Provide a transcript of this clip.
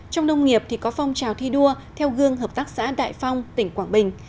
trong nông nghiệp thì có phong trào thi đua theo gương hợp tác xã đại phong tỉnh quảng bình